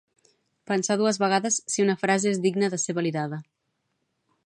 Pensar dues vegades si una frase és digna de ser validada